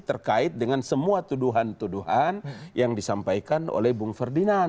terkait dengan semua tuduhan tuduhan yang disampaikan oleh bung ferdinand